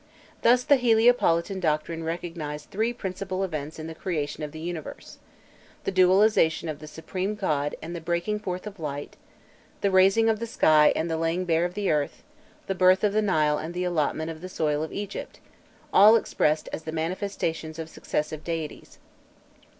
Thus the Heliopolitan doctrine recognized three principal events in the creation of the universe: the dualization of the supreme god and the breaking forth of light, the raising of the sky and the laying bare of the earth, the birth of the Nile and the allotment of the soil of Egypt, all expressed as the manifestations of successive deities.